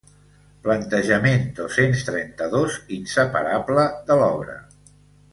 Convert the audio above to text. Plantejament dos-cents trenta-dos inseparable de l'obra.